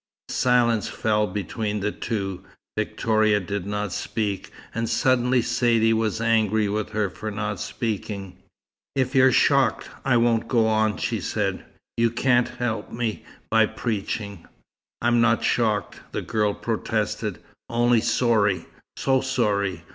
Silence fell between the two. Victoria did not speak; and suddenly Saidee was angry with her for not speaking. "If you're shocked, I won't go on," she said. "You can't help me by preaching." "I'm not shocked," the girl protested. "Only sorry so sorry.